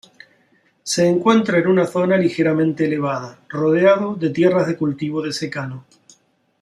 Se encuentra en una zona ligeramente elevada, rodeado de tierras de cultivo de secano.